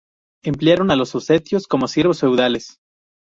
Emplearon a los osetios como siervos feudales.